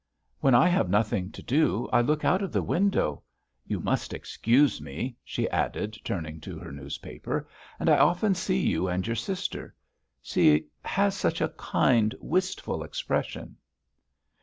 "When I have nothing to do I look out of the window. You must excuse me," she added, turning to her newspaper, "and I often see you and your sister. She has such a kind, wistful expression."